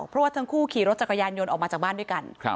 เพราะว่าทั้งคู่ขี่รถจักรยานยนต์ออกมาจากบ้านด้วยกัน